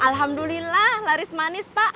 alhamdulillah laris manis pak